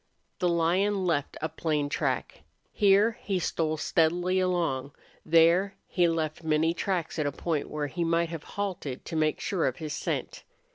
The lion left a plain track. Here he stole steadily along; there he left many tracks at a point where he might have halted to make sure of his scent.